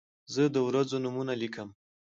زه د ورځو نومونه لیکم.